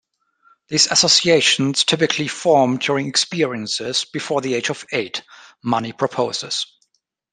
These associations typically form during experiences before the age of eight, Money proposes.